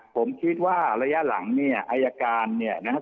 ผมคิดว่าระยะหลังเนี่ยอายการเนี่ยนะครับ